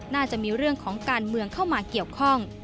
น่าจะมีเรื่องของการเมืองเข้ามาเกี่ยวข้อง